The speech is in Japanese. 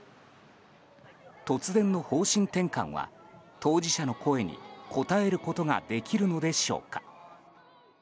突然の方針転換は当事者の声に応えることができるのでしょうか？